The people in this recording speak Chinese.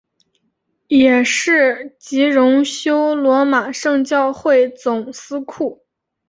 也是及荣休罗马圣教会总司库。